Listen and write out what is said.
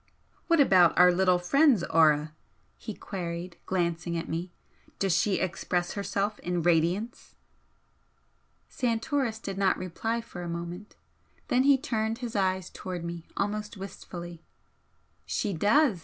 "What about our little friend's 'aura'?" he queried, glancing at me "Does she 'express' herself in radiance?" Santoris did not reply for a moment. Then he turned his eyes towards me almost wistfully. "She does!"